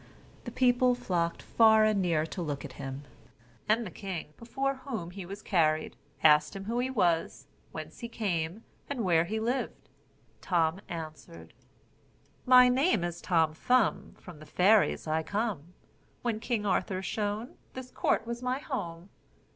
The people flocked far and near to look at him; and the king, before whom he was carried, asked him who he was, whence he came, and where he lived? Tom answered: "My name is Tom Thumb, From the Fairies I come; When King Arthur shone, This court was my home.